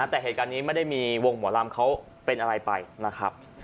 แต่เหตุการณ์นี้ไม่ได้มีวงหมอลำเขาเป็นอะไรไปนะครับ